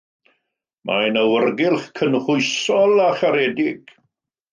Mae'n awyrgylch cynhwysol a charedig.